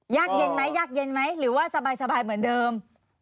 ยากเย็นไหมยากเย็นไหมหรือว่าสบายเหมือนเดิม